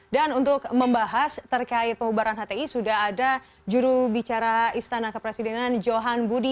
dan untuk membahas terkait pembubaran hti sudah ada juru bicara istana kepresidenan johan budi